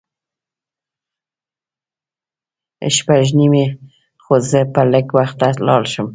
شپږ نیمې خو زه به لږ وخته لاړ شم.